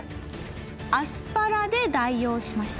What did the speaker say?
アスパラで代用しました。